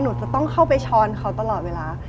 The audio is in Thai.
หนูจะต้องเข้าไปช้อนเขาตลอดเวลา